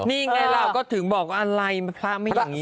นี่ไงเราก็ถึงบอกว่าอะไรพระไม่อย่างนี้